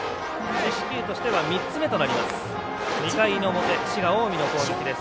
四死球としては３つ目となります。